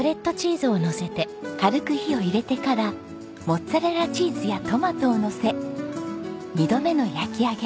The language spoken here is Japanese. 軽く火を入れてからモッツァレラチーズやトマトをのせ二度目の焼き上げ。